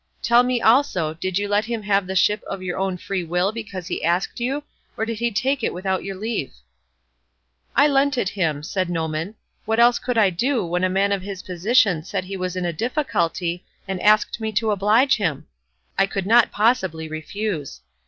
Tell me also, did you let him have the ship of your own free will because he asked you, or did he take it without your leave?" "I lent it him," answered Noemon, "what else could I do when a man of his position said he was in a difficulty, and asked me to oblige him? I could not possibly refuse.